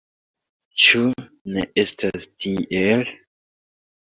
Ĉu ne estas tiel?